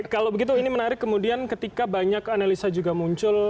kalau begitu ini menarik kemudian ketika banyak analisa juga muncul